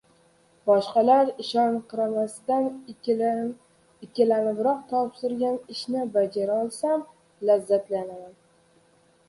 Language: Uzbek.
Boshqalar ishonqiramasdan, ikkilanibroq topshirgan ishni bajarolsam —lazzatlanaman.